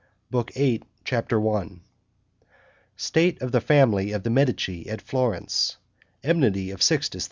BOOK VIII CHAPTER I State of the family of the Medici at Florence Enmity of Sixtus IV.